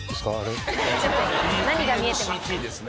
何が見えてますか？